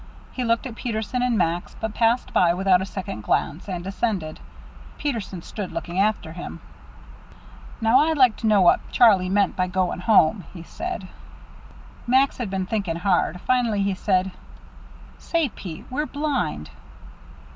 He looked at Peterson and Max, but passed by without a second glance, and descended. Peterson stood looking after him. "Now, I'd like to know what Charlie meant by going home," he said. Max had been thinking hard. Finally he said: "Say, Pete, we're blind."